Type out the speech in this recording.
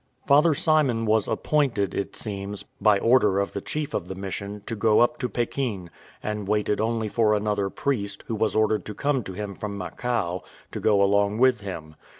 Father Simon was appointed, it seems, by order of the chief of the mission, to go up to Pekin, and waited only for another priest, who was ordered to come to him from Macao, to go along with him.